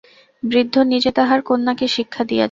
বৃদ্ধ নিজে তাঁহার কন্যাকে শিক্ষা দিয়াছেন।